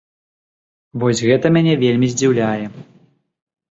Вось гэта мяне вельмі здзіўляе.